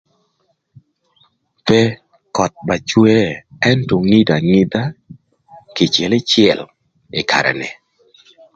Pe, köth ba cwe ëntö ngidho angidha kïcël ïcël ï karë ni.